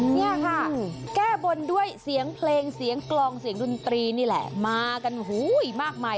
นี่ค่ะแก้บนด้วยเสียงเพลงเสียงกลองเสียงดนตรีนี่แหละมากันมากมาย